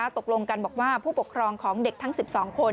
ตกลงกันบอกว่าผู้ปกครองของเด็กทั้ง๑๒คน